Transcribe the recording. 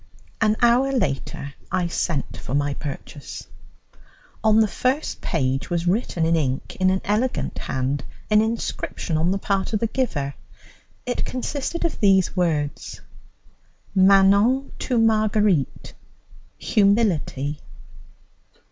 An hour after, I sent for my purchase. On the first page was written in ink, in an elegant hand, an inscription on the part of the giver. It consisted of these words: Manon to Marguerite. Humility.